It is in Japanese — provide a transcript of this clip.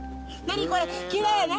何これ？